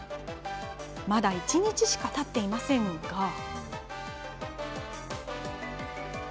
まだ一日しか、たっていませんが。